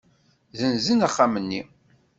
Ssenzen axxam-nni.